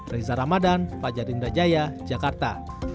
reza ramadan fajar indrajaya jakarta